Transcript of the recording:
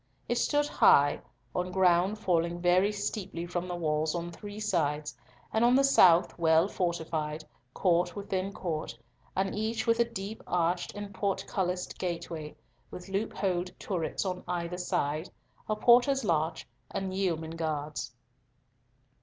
It stood high, on ground falling very steeply from the walls on three sides, and on the south well fortified, court within court, and each with a deep arched and portcullised gateway, with loopholed turrets on either side, a porter's lodge, and yeomen guards.